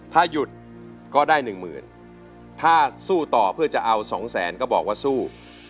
ถ้าหยุดก็ได้๑๐๐๐๐ถ้าสู้ต่อเพื่อจะเอา๒๐๐๐๐๐บอกว่าสู้